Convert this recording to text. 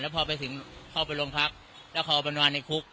แล้วพอไปถึงเข้าไปลงพักแล้วเขาอุบันวันในคุก